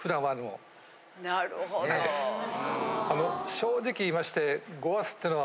正直言いまして。